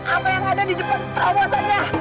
apa yang ada di depan terowos aja